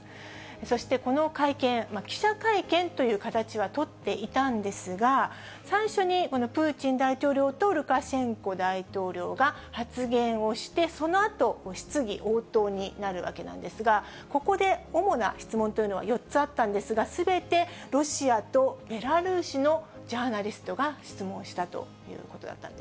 そしてこの会見、記者会見という形は取っていたんですが、最初にこのプーチン大統領と、ルカシェンコ大統領が発言をして、そのあと、質疑応答になるわけなんですが、ここで主な質問というのは４つあったんですが、すべてロシアとベラルーシのジャーナリストが質問したということ